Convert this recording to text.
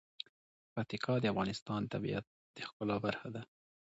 پکتیکا د افغانستان د طبیعت د ښکلا برخه ده.